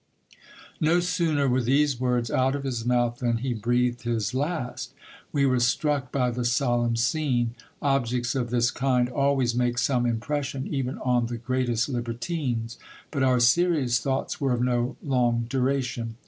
No sooner were these words out of his mouth than he breathed his last. We were struck by the solemn scene. Objects of this kind always make some impression even on the greatest libertines ; but our serious thoughts were of no long duration.